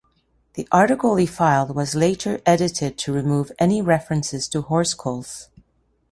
The article he filed was later edited to remove any reference to horse culls.